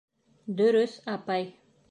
— Дөрөҫ, апай...